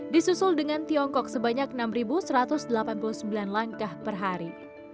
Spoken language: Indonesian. disusul dengan tiongkok sebanyak enam satu ratus delapan puluh sembilan langkah per hari